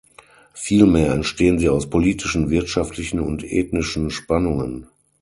Vielmehr entstehen sie aus politischen, wirtschaftlichen und ethnischen Spannungen.